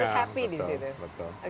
harus happy di situ